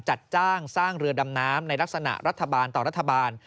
จัดจ้างสร้างเรือดำน้ำในลักษณะรัฐบาลต่อรัฐบาล